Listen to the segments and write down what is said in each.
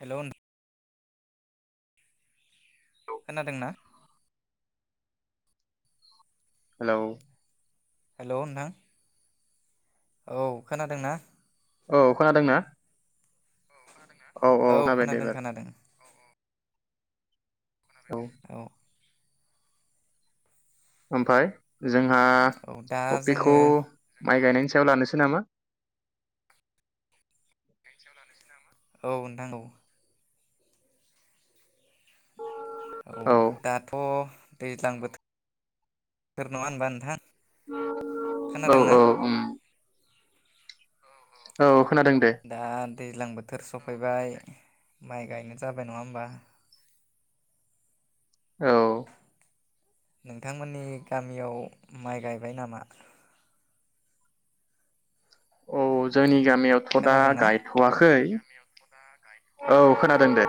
Hello नों खोनादोंना? Hello hello नोथां औ खोनादोंना? औ खोनादों ना? औ खोनादों खोनादों। औ। ओमफ्राय जोंहा टपिकखौ माइ गायनायनि सायाव लानोसै नामा? औ नोंथां औ। औ दाथ' दैज्लां बोथोर नङा होनबा नोंथां? औ औ औ ओम औ। दा दैज्लां बोथोर सफैबाय माइ गायनाय जाबाय नङा होमबा। औ नोंथांमोननि गामियाव माइ गायबाय नामा? औ जोंनि गामियावथ' दा गायथ'वाखै। औ खोनादों दे।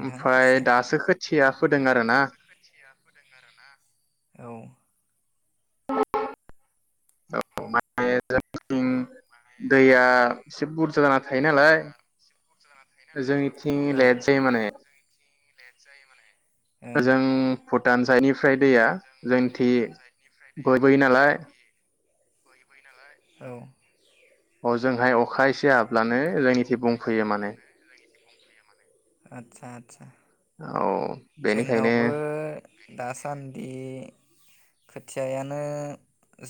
ओमफाय दासो खोथिया फोदों आरो ना [unintelligible] दैया एसे बुरजा जाना थायो नालाय जोंनिथिं लेट जायो माने। उम लानजायनिफ्राय दैया लानजायनिफ्राय दैया जोंनिथिं बोहैबोयोनालाय औ अ जोंहाय अखा एसे हाब्लानो जोंनि आदसा आदसा जोंनावबो दासान्दि खोथियानो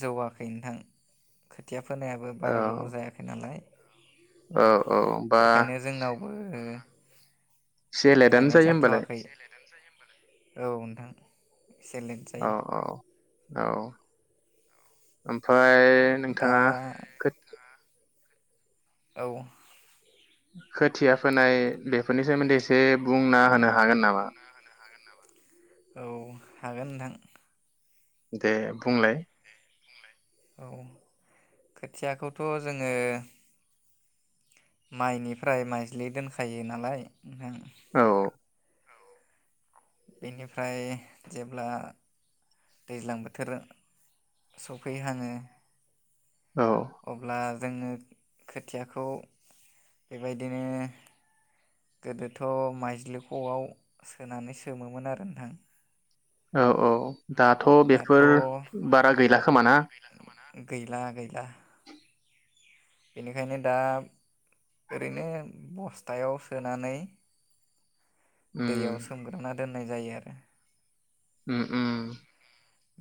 जौआखै नोंथां। खोथिया फोनायाबो बारा गोबाव जायाखै नालाय। औ बेखायनो जोंनावबो गायनाय जाथ'वाखै औ नोंथां। एसे लेद जायो। औ ओमफ्राय बे नोंथाङा खो औ। खोथिया फोनाय बेफोरनि सोमोन्दै एसे बुंना होनो हागोन नामा? औ हागोन नोंथां। दे बुंलाय। औ खोथियाखौथ जोङो माइनिफ्राय माइज्लि दोनखायो नालाय नोंथां औ। बेनिफ्राय जेब्ला दैज्लां बोथोर सफै हाङो औ। अब्ला जोङो खोथियाखौ बेबायदिनो गोदोथ माइज्लिखआव सोनानै सोमोमोन आरो नोंथां ओ औ दाथ' गैला गैला। बेनिखायनो दा ओरैनो बस्थायाव सोनानै दैयाव सोमग्राना दोन नाय जायो आरो। उम उम।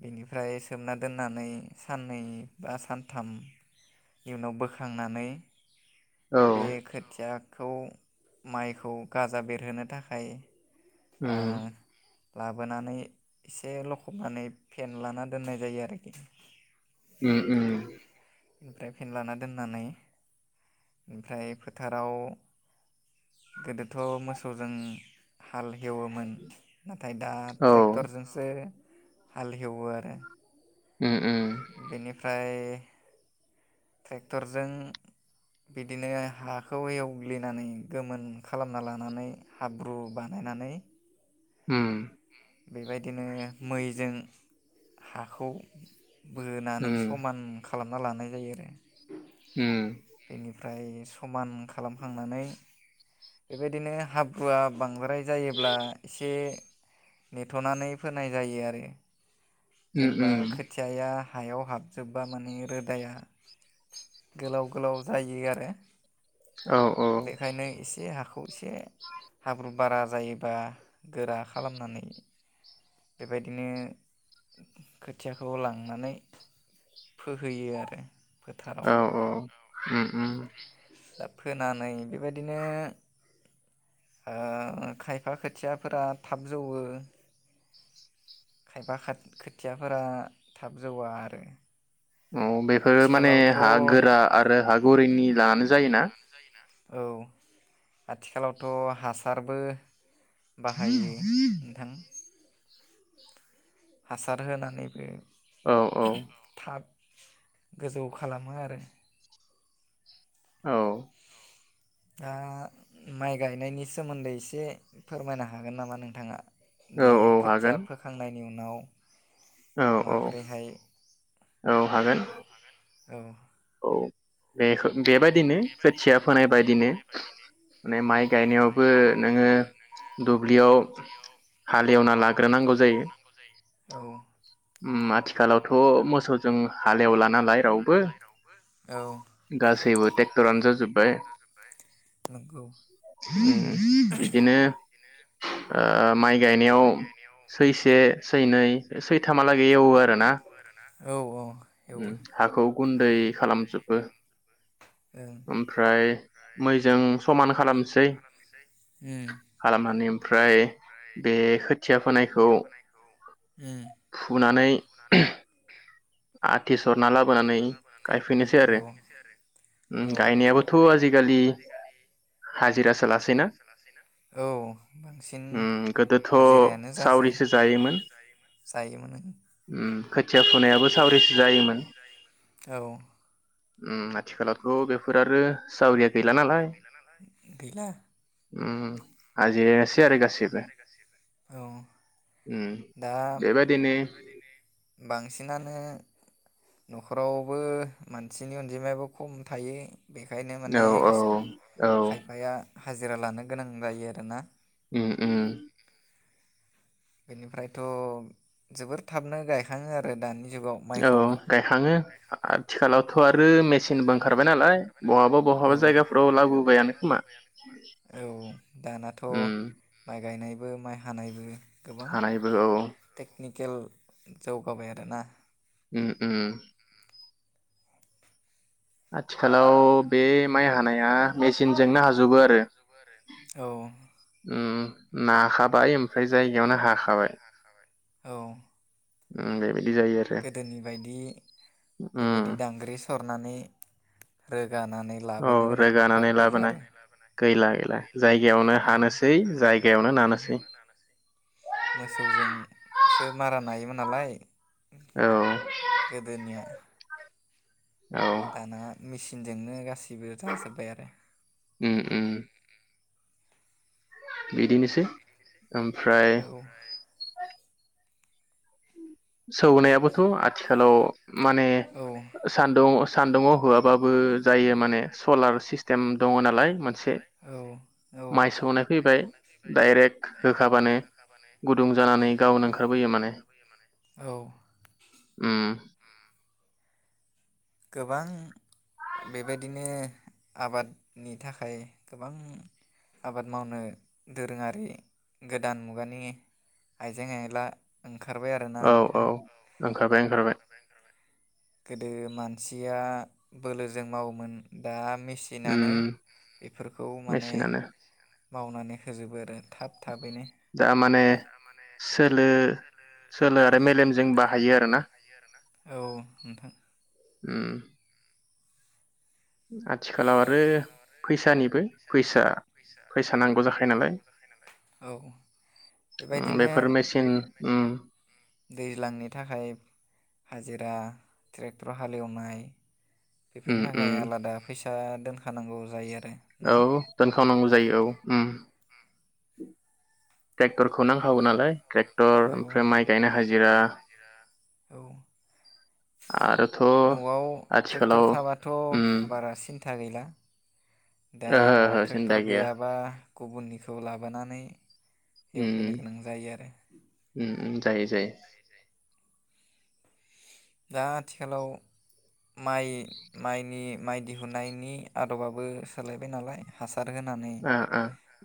बेनिफ्राय सोमना दोननानै साननै बा सानथाम इयनाव बोखांनानै बे खोथिया खौ माइखौ गाजा बेरहोनो थाखाय ओ लाबोनानै एसे लखबनानै फेनलाना दोननाय जायो आरोखि। उम उम। ओमफ्राय फेनलाना दोननानै ओमफ्राय फोथाराव गोदोथ मोसौजों हा हाल हेवोमोन ना थाय दा ट्रेक्टरजोंसो हाल हेवो आरो उम उम। फाय ट्रेक्टरजों बिदिनो हाखौ एवग्लिनानै गोमोन खालामना लानानै हाब्रु बानायनानै उम। बेबायदिनो मैजों हाखौ बोनानै समान खा खालामना लानाय जायो आरो उम। ओमफ्राय समान खालामखांनानै बेबायदिनो हाब्रुआ बांद्राय जायोब्ला एसे नेथनानै फोनाय जायो आरो जेनबा खोथेया हायाव हाबजोबबा माने रोदाया गोलाव गोलाव जायो आरो औ-औ खौ एसे हाब्रु बारा जायोबा गोरा खालामनानै बेबायदिनो खोथियाखौ लांनानै फोहोयो आरो। औ-औ उ-उ दा फोनानै बेबायदिनो ओ खायफा खोथियाफोरा थाब जौवो। खायफा खोथियाफोरा थाब जौवा आरो। औ बेफोरो माने हा गोरा आरो हा गुरिनि लानानै जायोना। औ आथिखालावथ हासारबो बाहायो नोंथां। हासार होनानैबो औ-औ। गोजौ खालामो आरो। औ। दा माइ गायनायनि सोमोन्दै एसे फोरमायनो हागोन नामा नोंथाङा। जे खोथिया फोखांनायनि उनाव नाव औ-औ-औ हागोन। औ। औ। बे बेबायदिनो खोथिया फोनाय बायदिनो माने माइ गायनायावबो नोङो दुब्लियाव [unintelligible] एवना लाग्रोनांगौ जायो। औ माथि खालावथ मोसौजों हालेवला नालाय रावबो गासैबो ट्रेक्टरानो जाजोब्बाय बिदिनो ओ माइ गायनायाव सैसे सैनै सै लागै एवो आरो ना। औ-औ उम हाखौ गुन्दै खालामजोबो ओमफ्राय मैजों समान खालामसै खालामनानै ओमफ्राय बे खोथिया फोनायखौ उम नानै आथि सरना लाबोनानै गायफैनोसै आरो उ गायनायाबोथ' आजिखालि हाजिरासो ला औ बांसिन हाजिरायानो जासै जायोमोन खोथिया फुनाय औ उम आथिखालावथ' बेफोर आरो सावरि गैला उम हाजिरा औ दा बांसिनानो न'खरावबो मानसिनि अनजिमायाबो खम थायो बेखायनो माने खायफाया हाजिरा लानो गोनां जायो आरोना उम उम बेनिफ्रायथ' जोबोर थाबनो गायखाङो आरो दानि औ गायखाङो आथिखालाव थ आरो मेसिनबो ओंखारबाय नालाय बहाबा बहाबा जायगाफोराव लाबोबायानो खोमा उम माइ हानायबो। हानायबो औ नि टेकनिकेल जौगाबाय आरोना। उम उम। आथिखालाव बे माइ हानाया मेचिनजोंनो हाजोबो आरो। औ। उम नाखाबाय ओमफ्राय जायगायावनो हाखाबाय। औ। उम दे। गोदोनि बायदि बेबायदि दांग्रि सरनानै रोग औ रोगानानै लाबोनाय गैला गैला जायगायावनो हानोसै जायगायावनो नानोसै। मोसौजोंसो मारा नायोमोन नालाय। गोदोनिया दाना मेसिनजोंनो गाससिबो जाजोबाय आरो। उम उम। बिदिनोसै। ओमफ्राय सौनायाबोथ आथिखालाव माने सान्दुं सानदुंआव होआबाबो जायो माने सलार सिस्टेम दङ नालाय औ मोनसे औ माइ सौनाय फैबाय डायरेक होखाबानो गुदुं जानानै गावनो ओंखारबोयो माने औ उम गोबां बेबायदिनो आबादनि थाखाय गोबां आबाद मावनो दोरोङारि गोदान मुगानि आइजें आयला ओ खारबाय आरोना नोंथां बाय ओंखारबाय गोदो मानसिया बोलोजों मावोमोन दा मेसिनानो ओम बेफोरखौ माने मावनानै होजोबो आरो दा माने सोलो सोलो आरो मेलेमजों बाहायो आरो ना औ नोंथां उम आथिखालाव आरो फैसानिबो फैसा फैसा नांगौ जाखा नालाय औ बेबायदिनो बेफोर मेसिन उम दैज्लांनि थाखाय हाजिरा ट्रेक्टर हालेएवनाय बेफोरनि थाखाय आलादा फैसा दा दोनखा औ दोनखावनांगौ जायो औ ओम टेक्टरखौ नांखागौ नालाय ट्रेक्टर ओमफ्राय माइ गायनो हाजि जिरा औ नआव ट्रेक्टर थाबाथ बारा सिन्था गैला दा नआव ट्रेक्टर गैयाबा गुबुननिखौ लाबोनानै एवफैनो गोनां जायो आरो जायो जायो दा आथिखालाव माइ माइनि माइ दिहुननायनि आदबाबो सोलायबाय नालाय हासार हासार होनानै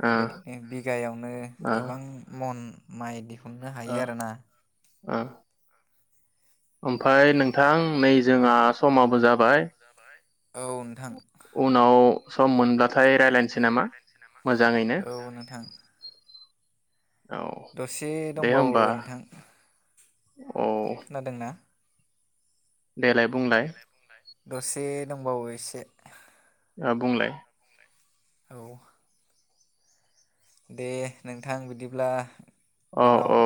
बेबायदिनो बिगायावनो गोबां मन माइदि हमनो हायो आरोना। ओमफ्राय नोंथां नै जोंहा समाबो जाबाय। उनाव सम मोनब्लाथाय रायलायनोसै नामा? औ नोंथां। दसे दंबावो नोंथां। खोनादोंना? देलाय बुंलाय। दसे दंबावो एसे ओ बुंलाय। औ। दे नोंथां बिदिब्ला। औ औ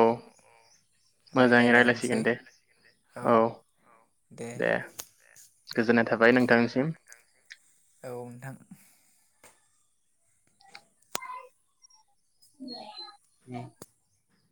मोजाङै रायज्लायसिगोन दे औ दे। गोजोननाय थाबाय नोंथांनिसिम। औ नोंथां। [inaudible]